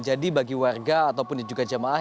jadi bagi warga ataupun juga jamaah